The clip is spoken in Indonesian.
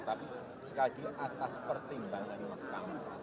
tapi sekali lagi atas pertimbangan kami